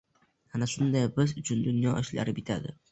Ana shunda biz uchun dunyo ishlari bitadi.